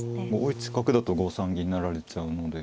５一角だと５三銀成られちゃうので。